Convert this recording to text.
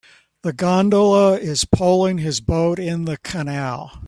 The gondola is poling his boat in the canal